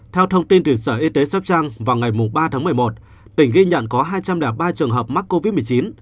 theo thông tin từ sở y tế sắp trăng vào ngày ba tháng một mươi một tỉnh ghi nhận có hai trăm linh ba trường hợp mắc covid một mươi chín